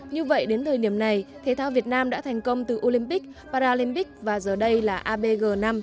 như vậy đến thời điểm này thể thao việt nam đã thành công từ olympic paralympic và giờ đây là abg năm